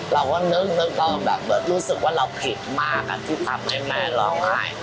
เราก็นึกแล้วก็แบบรู้สึกว่าเราผิดมากที่ทำให้แม่ร้องไห้